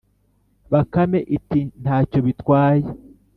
“bakame iti:” nta cyo bitwaye,